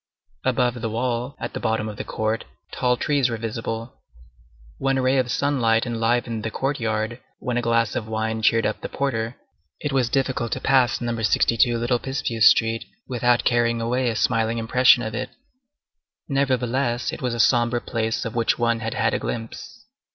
Above the wall, at the bottom of the court, tall trees were visible. When a ray of sunlight enlivened the courtyard, when a glass of wine cheered up the porter, it was difficult to pass Number 62 Little Picpus Street without carrying away a smiling impression of it. Nevertheless, it was a sombre place of which one had had a glimpse.